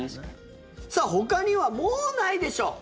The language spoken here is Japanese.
ほかにはもうないでしょ。